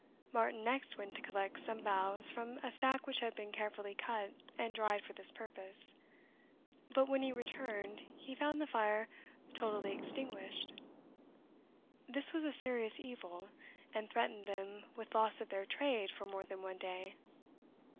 Martin next went to collect some boughs from a stack which had been carefully cut and dried for this purpose; but, when he returned, he found the fire totally extinguished. This was a serious evil, and threatened them with loss of their trade for more than one day.